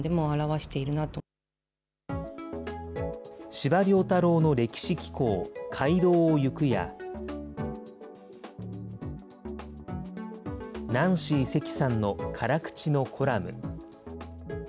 司馬遼太郎の歴史紀行、街道をゆくや、ナンシー関さんの辛口のコラム。